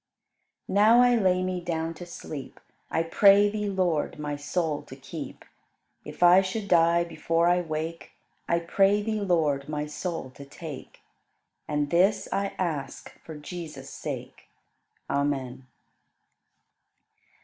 20. Now I lay me down to sleep; I pray Thee, Lord, my soul to keep. If I should die before I wake. I pray Thee, Lord, my soul to take; And this I ask for Jesus' sake. Amen.